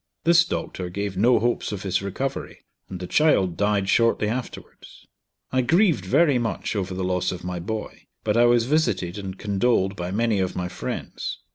This doctor gave no hopes of his recovery, and the child died shortly afterwards. I grieved very much over the loss of my boy; but I was visited and condoled by many of my friends.